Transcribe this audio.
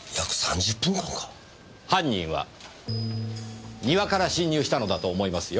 犯人は庭から侵入したのだと思いますよ。